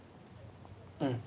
うん。